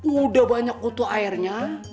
udah banyak kutu airnya